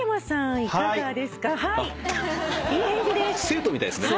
生徒みたいですね。